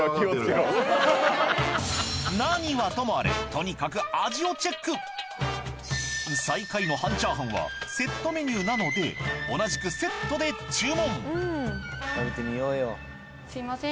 なにはともあれとにかく味をチェック最下位の半チャーハンはセットメニューなので同じくセットで注文すいません